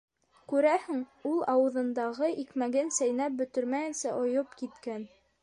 Күрәһең, ул ауыҙындағы икмәген сәйнәп бөтөрмәйенсә ойоп киткән.